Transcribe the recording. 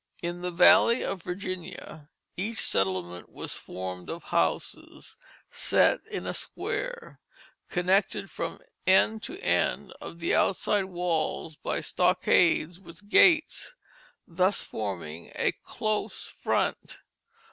In the valley of Virginia each settlement was formed of houses set in a square, connected from end to end of the outside walls by stockades with gates; thus forming a close front.